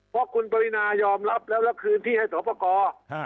เพราะคุณปรินายอมรับแล้วคืนที่ให้สรภกร